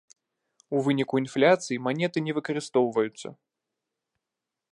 У выніку інфляцыі манеты не выкарыстоўваюцца.